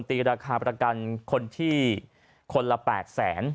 ตีราคาประกันคนที่คนละ๘แสน